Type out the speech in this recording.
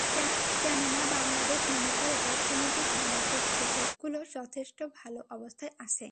কেননা বাংলাদেশ মনে করে অর্থনীতির সামগ্রিক সূচকগুলো যথেষ্ট ভালো অবস্থায় আছে।